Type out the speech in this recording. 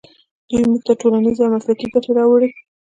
دوی موږ ته ټولنیزې او مسلکي ګټې راوړي.